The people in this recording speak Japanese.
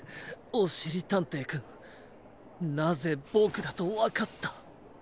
おしりたんていくんなぜボクだとわかった？